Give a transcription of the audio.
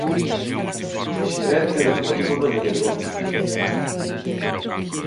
Xerente do polígono de Bergondo.